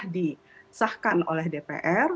sudah disahkan oleh dpr